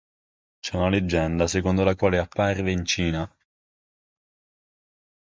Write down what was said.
C'è una leggenda secondo la quale apparve in Cina.